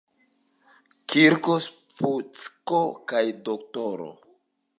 Kirk, Spock kaj D-ro.